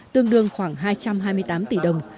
tương đương khoảng hai trăm hai mươi tám tỷ đồng